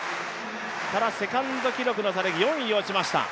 ただ、セカンド記録の差が４位に落ちました。